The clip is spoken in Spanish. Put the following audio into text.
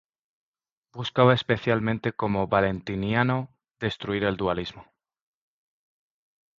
Buscaba especialmente, como Valentiniano, destruir el dualismo.